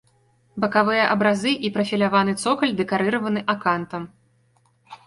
Бакавыя абразы і прафіляваны цокаль дэкарыраваны акантам.